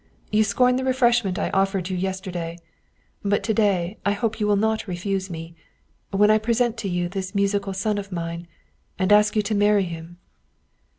You scorned the refreshment I offered you yesterday. But to day I hope you will not refuse me when I present to you this musical son of mine, and ask you to marry him."